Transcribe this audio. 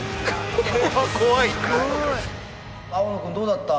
青野君どうだった？